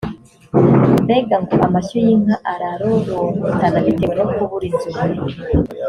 mbega ngo amashyo y’inka ararorongotana bitewe no kubura inzuri